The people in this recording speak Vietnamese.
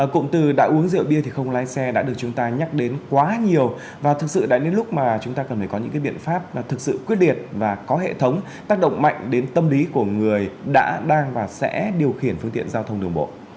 cụm từ đã uống rượu bia thì không lái xe đã được chúng ta nhắc đến quá nhiều và thực sự đã đến lúc mà chúng ta cần phải có những biện pháp thực sự quyết liệt và có hệ thống tác động mạnh đến tâm lý của người đã đang và sẽ điều khiển phương tiện giao thông đường bộ